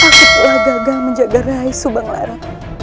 aku telah gagal menjaga raih subang lara